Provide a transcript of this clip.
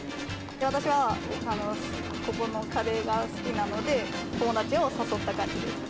私はここのカレーが好きなので、友達を誘った感じです。